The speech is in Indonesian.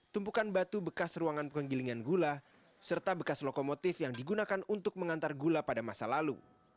tumpukan batu bekas ruangan penggilingan gula serta bekas lokomotif yang digunakan untuk mengantar gula pada masa lalu